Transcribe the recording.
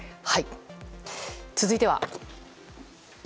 続いては。